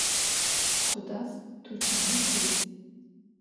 Khudas tuçanım tês.